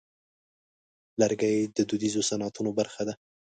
لرګی د دودیزو صنعتونو برخه ده.